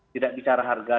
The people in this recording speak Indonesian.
tidak bicara harga